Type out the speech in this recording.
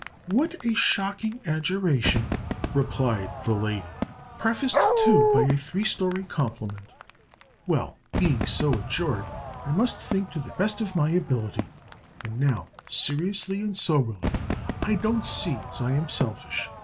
"What a shocking adjuration!" replied the lady; "prefaced, too, by a three story compliment. Well, being so adjured, I must think to the best of my ability. And now, seriously and soberly, I don't see as I am selfish.